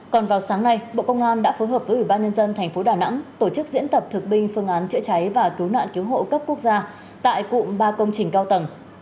còn vào sáng nay bộ công an đã phối hợp với ủy ban nhân dân tp đà nẵng tổ chức diễn tập thực binh phương án chữa cháy và cứu nạn cứu hộ cấp quốc gia tại cụm ba công trình cao tầng